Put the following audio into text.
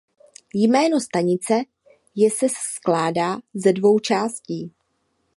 Jméno stanice je se skládá ze dvou částí.